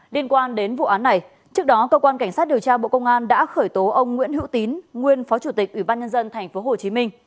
điên quan đến vụ án này trước đó cơ quan cảnh sát điều tra bộ công an đã khởi tố ông nguyễn hữu tín nguyên phó chủ tịch ủy ban nhân dân tp hcm